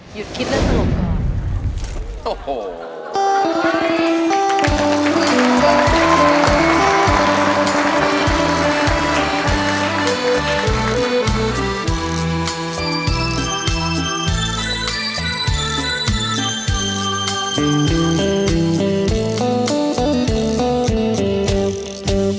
หยุดคิดแล้วโอ้โห